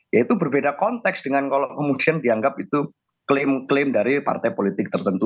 ya itu berbeda konteks dengan kalau kemudian dianggap itu klaim klaim dari partai politik tertentu